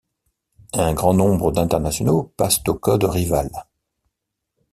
Un grand nombre d’internationaux passent au code rival.